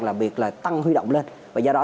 là việc là tăng huy động lên và do đó